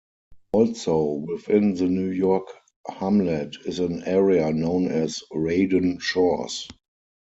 Also within the New York hamlet is an area known as Reydon Shores.